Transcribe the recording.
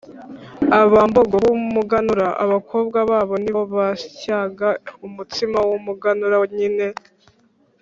“abambogo b’umuganura” abakobwa babo ni bo basyaga umutsima w’umuganura nyine